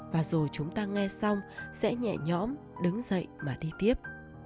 và rồi chúng ta nghe xong sẽ nhẹ nhõm đứng dậy mà đi tiếp